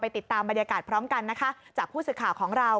ไปติดตามบรรยากาศพร้อมกันจากผู้สึกข่าวของเรา